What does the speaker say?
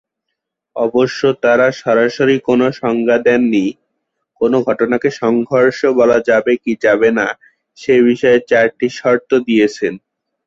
অবশ্য তারা সরাসরি কোন সংজ্ঞা দেননি, কোন ঘটনাকে সংঘর্ষ বলা যাবে কি যাবে না সে বিষয়ে চারটি শর্ত দিয়েছেন।